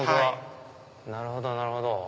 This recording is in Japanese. なるほどなるほど。